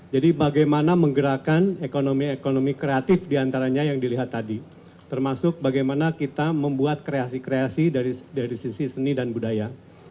jadi bagaimana menggerakkan ekonomi ekonomi kreatif di antaranya yang dilihat tadi termasuk bagaimana kita membuat kreasi kreasi dari sisi seni dan budaya